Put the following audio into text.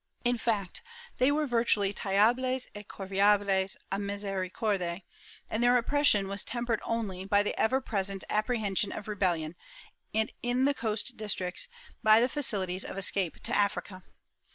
^ In fact, they were virtually taillables et corveables d misericorde, and their oppression was tempered only by the ever present apprehension of rebellion and, in the coast districts, by the facilities of escape to Africa.